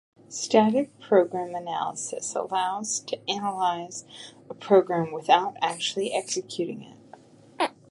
Static program analysis allows to analyze a program without actually executing it.